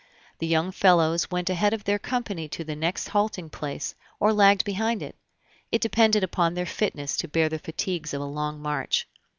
The young fellows went ahead of their company to the next halting place, or lagged behind it; it depended upon their fitness to bear the fatigues of a long march.